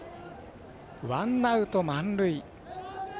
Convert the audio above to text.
ワンアウト、満塁。